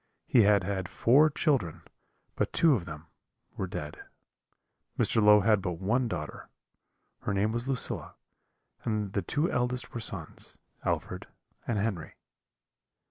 He had had four children, but two of them were dead. Mr. Low had but one daughter, her name was Lucilla; and the two eldest were sons, Alfred and Henry.